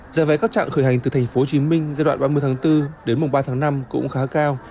giá vé các trạng khởi hành từ thành phố hồ chí minh giai đoạn ba mươi tháng bốn đến mùa ba tháng năm cũng khá cao